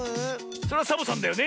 そりゃサボさんだよね！